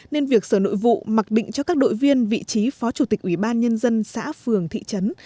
nên việc sở nội vụ mặc định cho các đội viên vị trí phó chủ tịch ủy ban nhân dân xã phường thị trấn